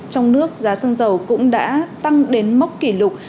trong nước giá xăng dầu cũng đã tăng đến mốc kỷ lục